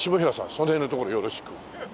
その辺のところよろしく！